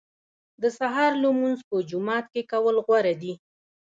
د سهار لمونځ په جومات کې کول غوره دي.